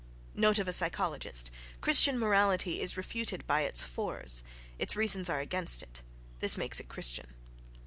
(Note of a psychologist. Christian morality is refuted by its fors: its reasons are against it,—this makes it Christian.)